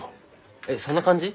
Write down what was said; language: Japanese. えっそんな感じ？